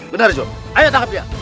benar job ayo tangkap dia